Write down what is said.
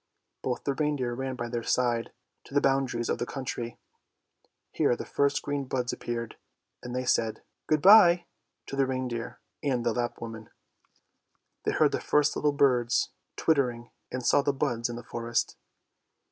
Both the reindeer ran by their side, to the boundaries of the country; here the first green buds appeared, and they said " Good bye " to the reindeer and the Lapp woman. They heard the first little birds twittering and saw the buds in the forest.